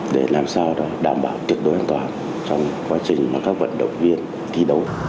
để làm sao đảm bảo tuyệt đối an toàn trong quá trình mà các vận động viên thi đấu